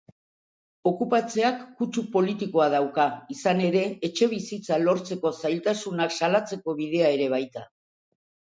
Okupatzeak kutsu politikoa dauka, izan ere, etxebizitza lortzeko zailtasunak salatzeko bidea ere baita.